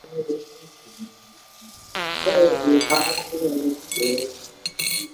戈亚廷斯是巴西托坎廷斯州的一个市镇。